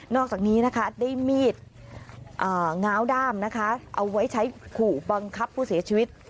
อกจากนี้นะคะได้มีดง้าวด้ามนะคะเอาไว้ใช้ขู่บังคับผู้เสียชีวิต